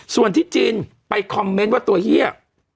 ส่วนที่จินไปคอมเมนต์ว่าตัวเฮีย